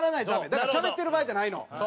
だからしゃべってる場合じゃないの。